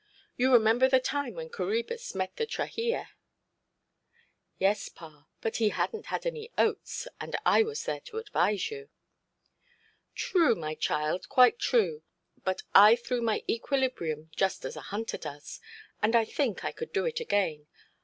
You remember the time when Coræbus met the trahea"? "Yes, pa; but he hadnʼt had any oats; and I was there to advise you". "True, my child, quite true. But I threw my equilibrium just as a hunter does. And I think I could do it again.